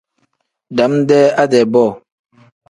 Dam-dee ade-bo.